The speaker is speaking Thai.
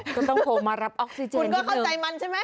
ก็ต้องโผล่มารับออกซิเจนนิดนึง